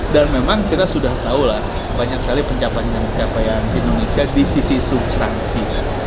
dan memang kita sudah tau lah banyak sekali pencapaian indonesia di sisi subsansi